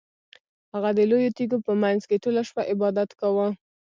هغه د لویو تیږو په مینځ کې ټوله شپه عبادت کاوه.